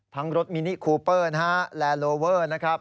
ทั้งรถมินิคูเปอร์และโลเวอร์นะครับ